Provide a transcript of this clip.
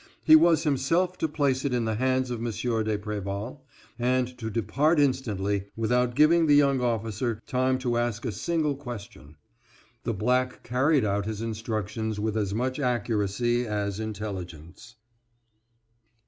He was himself to place it in the hands of M. de Préval, and to depart instantly, without giving the young officer time to ask a single question. The black carried out his instructions with as much accuracy as intelligence.